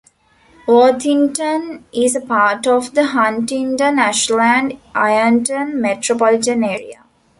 Worthington is a part of the Huntington-Ashland-Ironton metropolitan area.